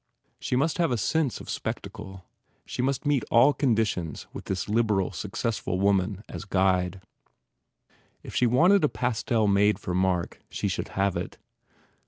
She must have a sense of spectacle. She must meet all condi tions with this liberal, successful woman as a guide. If she wanted a pastel made for Mark she should have it.